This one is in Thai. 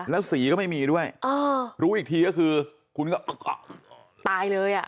แล้วสีก็ไม่มีด้วยรู้อีกทีก็คือคุณก็ตายเลยอ่ะ